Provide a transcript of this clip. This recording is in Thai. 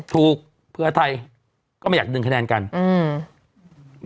เผื่อเพื่อไทยก็ไม่อยากดึงคะแนนกันอืม